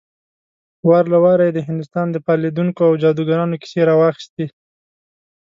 وار له واره يې د هندوستان د فال ليدونکو او جادوګرانو کيسې راواخيستې.